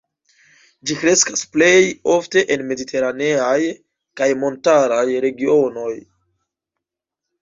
Ĝi kreskas plej ofte en mediteraneaj kaj montaraj regionoj.